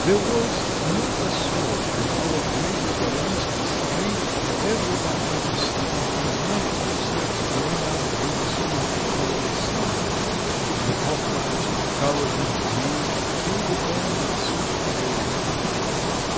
There was not a soul in our Great Dvoryansky Street; everyone was asleep, and my footsteps rang out with a solitary, hollow sound. The poplars, covered with dew, filled the air with soft fragrance.